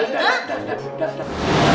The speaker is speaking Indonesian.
dah dah dah